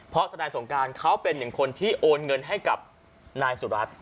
เพราะทนายสงการเขาเป็นหนึ่งคนที่โอนเงินให้กับนายสุรัตน์